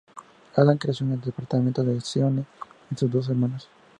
Adam creció en el departamento del Essonne, con sus dos hermanos.